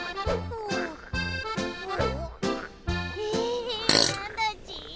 えっなんだち？